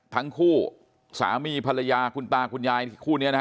ทั้งคู่สามีภรรยาคุณตาคุณยายคู่นี้นะฮะ